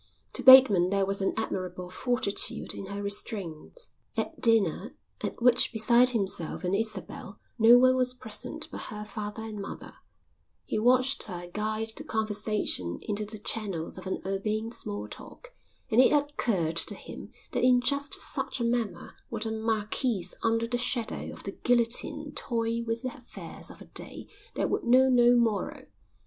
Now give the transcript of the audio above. To Bateman there was an admirable fortitude in her restraint. At dinner, at which beside himself and Isabel no one was present but her father and mother, he watched her guide the conversation into the channels of an urbane small talk, and it occurred to him that in just such a manner would a marquise under the shadow of the guillotine toy with the affairs of a day that would know no morrow.